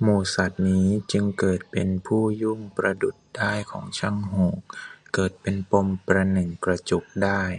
หมู่สัตว์นี้ จึงเกิดเป็นผู้ยุ่งประดุจด้ายของช่างหูก เกิดเป็นปมประหนึ่งกระจุกด้าย